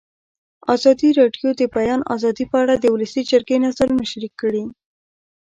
ازادي راډیو د د بیان آزادي په اړه د ولسي جرګې نظرونه شریک کړي.